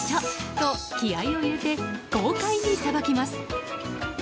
と気合を入れて豪快にさばきます。